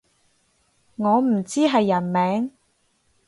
我唔知係人名